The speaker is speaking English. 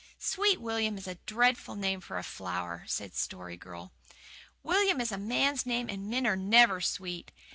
"Sweet William is a dreadful name for a flower," said the Story Girl. "William is a man's name, and men are NEVER sweet.